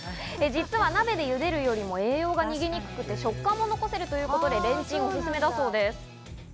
実は鍋で茹でるよりも栄養が逃げにくくて食感を残せるということでレンチンがおすすめだそうです。